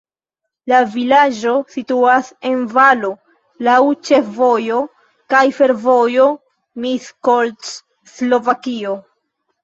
La vilaĝo situas en valo, laŭ ĉefvojo kaj fervojo Miskolc-Slovakio.